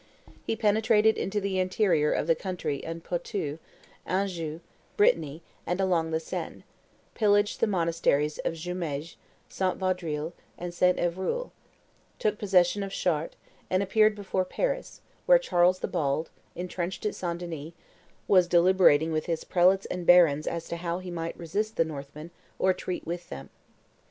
He penetrated into the interior of the country in Poitou, Anjou, Brittany, and along the Seine; pillaged the monasteries of Jumieges, St. Vaudrille, and St. Evroul; took possession of Chartres, and appeared before Paris, where Charles the Bald, intrenched at St. Denis, was deliberating with his prelates and barons as to how he might resist the Northmen or treat with them.